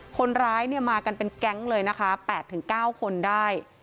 คนร้ายเนี่ยมากันเป็นแก๊งเลยนะคะแปดถึงเก้าคนได้